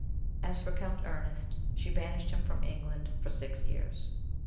As for Count Ernest, she banished him from England for six years.